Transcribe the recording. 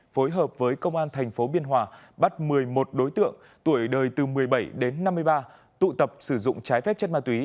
phối hợp với công an thành phố biên hòa bắt một mươi một đối tượng tuổi đời từ một mươi bảy đến năm mươi ba tụ tập sử dụng trái phép chất ma túy